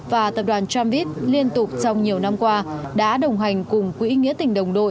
và tập đoàn trambit liên tục trong nhiều năm qua đã đồng hành cùng quỹ nghĩa tình đồng đội